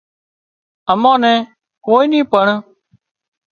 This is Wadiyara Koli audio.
امان نين ڪوئي نِي پڻ